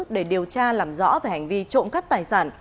để điều tra làm rõ về hành vi trộm cắt tài sản